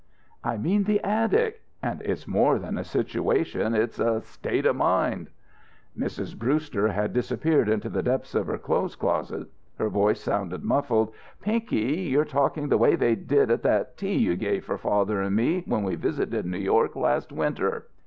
"I meant the attic. And it's more than a situation. It's a state of mind." Mrs. Brewster had disappeared into the depths of her clothes closet. Her voice sounded muffled. "Pinky, you're talking the way they did at that tea you gave for father and me when we visited New York last winter."